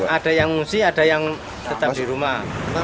ada yang ngungsi ada yang tetap di rumah